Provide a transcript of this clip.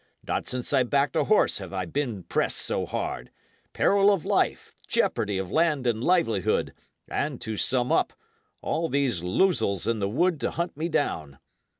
Not since I backed a horse have I been pressed so hard; peril of life, jeopardy of land and livelihood, and to sum up, all these losels in the wood to hunt me down.